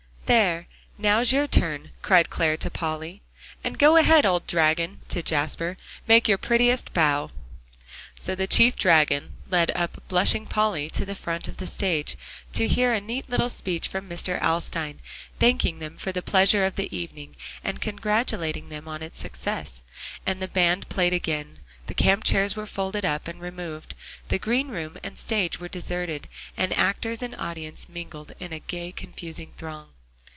"There, now's your turn," cried Clare to Polly. "And go ahead, old dragon," to Jasper, "make your prettiest bow." So the chief dragon led up blushing Polly to the front of the stage, to hear a neat little speech from Mr. Alstyne, thanking them for the pleasure of the evening and congratulating them on its success; and the band played again, the camp chairs were folded up and removed, the green room and stage were deserted, and actors and audience mingled in a gay, confusing throng.